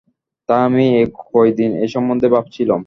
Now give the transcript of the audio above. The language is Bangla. তাই আমি এ কয়দিন এ সম্বন্ধে ভাবছিলুম।